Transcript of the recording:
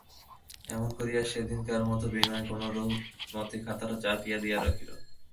এমনি করিয়া সেদিনকার মতো বিনয় কোনোমতে কথাটা চাপা দিয়া রাখিল।